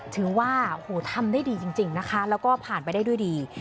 ถือว่าทำได้ดีจริงนะคะแล้วก็ผ่านไปได้ด้วยดี